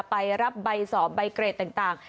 ไปรับใบสอบใบเกรดต่าง